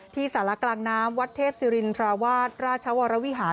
สารกลางน้ำวัดเทพศิรินทราวาสราชวรวิหาร